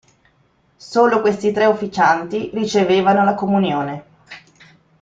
Solo questi tre officianti ricevevano la comunione.